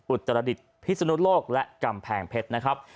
อุตรดิษฐ์พิศนุโลกและกำแพงเพชรนะครับ